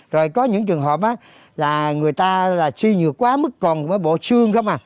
rồi có những trường hợp là người ta suy nhược quá mất còn bộ xương không à